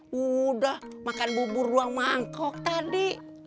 udah makan bubur ruang mangkok tadi